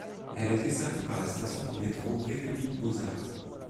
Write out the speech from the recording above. Elle est desservie par la station de métro République - Beaux-Arts.